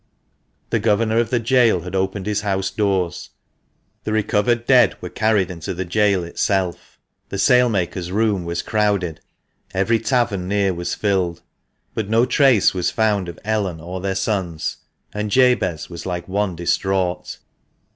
The governor of the gaol had opened his house doors, the recovered dead were carried into the gaol itself, the sail maker's room was crowded, every tavern near was filled, but no trace was found of Ellen or their sons, and Jabez was like one distraught.